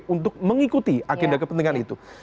untuk mengikuti agenda kepentingan itu